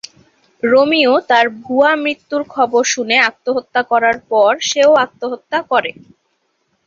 Romeo তার ভুয়া মৃত্যুর খবর শুনে আত্মহত্যা করার পর সেও আত্মহত্যা করে।